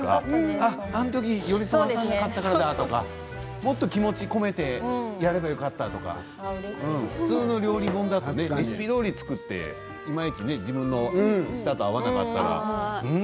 あのとき寄り添わせなかったからだともっと気持ちを込めてやればよかったとか普通の料理本だとレシピどおり作っていまいち自分の舌と合わなかったらん？